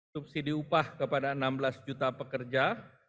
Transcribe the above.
subsidi upah kepada enam belas juta pekerja